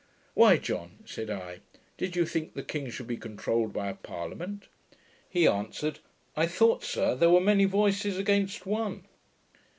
'Why, John,' said I, 'did you think the king should be controuled by a parliament?' He answered, 'I thought, sir, there were many voices against one.'